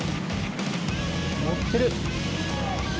乗ってる。